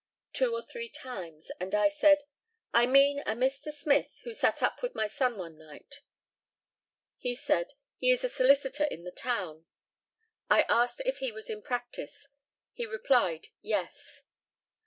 two or three times, and I said, "I mean a Mr. Smith who sat up with my son one night." He said, "He is a solicitor in the town." I asked if he was in practice. He replied, "Yes."